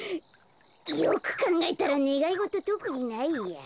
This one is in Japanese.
よくかんがえたらねがいごととくにないや。